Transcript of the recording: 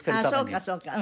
そうかそうか。